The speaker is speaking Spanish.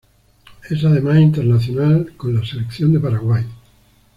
Es además internacional con la selección de Paraguay.